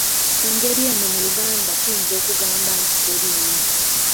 Engeri eno mu Luganda tuyinza okugamba nti teriimu.